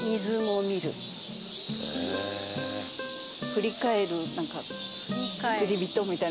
「振り返る釣り人」みたいな感じでも。